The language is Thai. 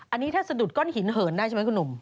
อันนี้ถ้าสะดุดก้อนหินเหินได้ใช่ไหมคุณหนุ่ม